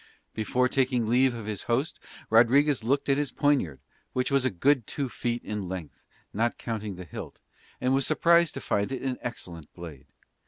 Before taking leave of his host Rodriguez looked at his poniard, which was a good two feet in length, not counting the hilt, and was surprised to find it an excellent blade.